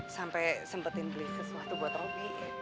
sampai sempetin beli sesuatu buat robi